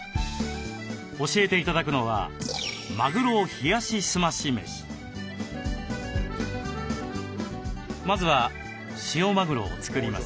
教えて頂くのはまずは塩マグロを作ります。